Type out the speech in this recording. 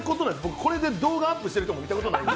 これで動画アップしてる人も見たことない。